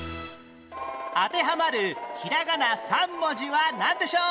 当てはまるひらがな３文字はなんでしょう？